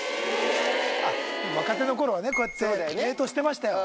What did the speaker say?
若手の頃はねこうやって冷凍してましたよ。